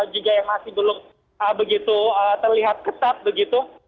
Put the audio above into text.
juga yang masih belum begitu terlihat ketat begitu